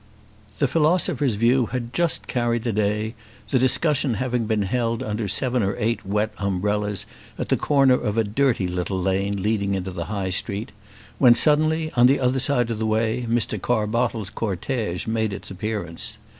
The philosophers' view had just carried the day, the discussion having been held under seven or eight wet umbrellas at the corner of a dirty little lane leading into the High Street; when suddenly, on the other side of the way, Mr. Carbottle's cortège made its appearance.